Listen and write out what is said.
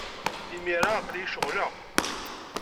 Imir-a, aql-iyi ceɣleɣ.